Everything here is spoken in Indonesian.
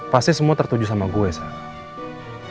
pasti semua tertuju sama gue sih